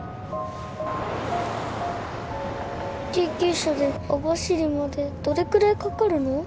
救急車で網走までどれくらいかかるの？